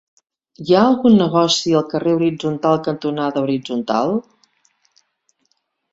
Hi ha algun negoci al carrer Horitzontal cantonada Horitzontal?